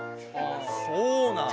そうなん？